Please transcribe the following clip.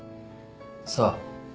さあ？